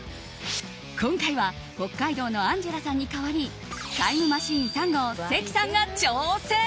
今回は北海道のアンジェラさんに代わりタイムマシーン３号関さんが挑戦。